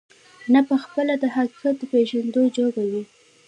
نه په خپله د حقيقت د پېژندو جوگه وي،